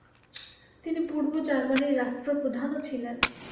তিনি পূর্ব জার্মানির রাষ্ট্রপ্রধানও ছিলেন।